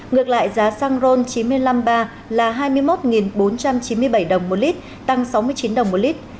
ngược lại giá xăng ron chín mươi năm a là hai mươi một bốn trăm chín mươi bảy đồng một lít tăng sáu mươi chín đồng một lít